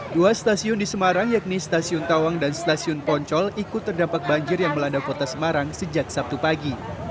dua stasiun di semarang yakni stasiun tawang dan stasiun poncol ikut terdampak banjir yang melanda kota semarang sejak sabtu pagi